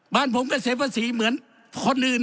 บ้านผมก็เสียภาษีเหมือนคนอื่น